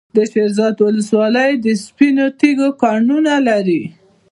د شیرزاد ولسوالۍ د سپینو تیږو کانونه لري.